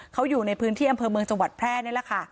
เขาอยู่ในพื้นที่อำเภอเมืองจังหวัดแพร่นี่แหละค่ะ